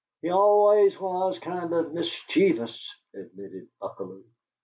"He always was kind of misCHEEvous," admitted Buckalew.